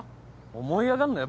思い上がんなよ